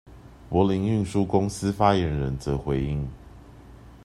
柏林運輸公司發言人則回應：